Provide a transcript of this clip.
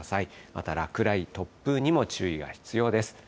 また落雷、突風にも注意が必要です。